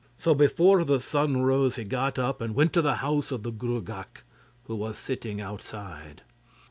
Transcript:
So before the sun rose he got up and went to the house of the Gruagach, who was sitting outside.